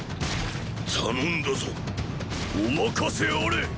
頼んだぞお任せあれ！！